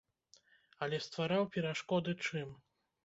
Але ствараў перашкоды чым?